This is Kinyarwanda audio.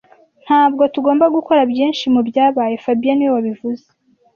Ntabwo tugomba gukora byinshi mubyabaye fabien niwe wabivuze